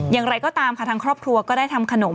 อย่างไรก็ตามค่ะทางครอบครัวก็ได้ทำขนม